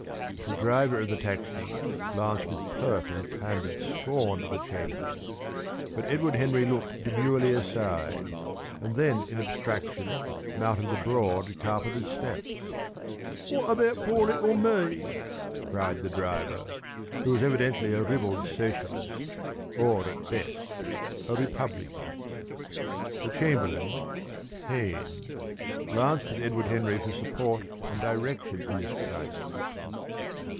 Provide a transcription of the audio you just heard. The driver of the taxi glanced with pert and candid scorn at the chamberlain, but Edward Henry looked demurely aside, and then in abstraction mounted the broad carpeted steps. "What about poor little me?" cried the driver, who was evidently a ribald socialist, or at best a republican. The chamberlain, pained, glanced at Edward Henry for support and direction in this crisis.